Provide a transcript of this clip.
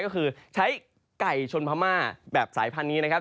ก็คือใช้ไก่ชนพม่าแบบสายพันธุ์นี้นะครับ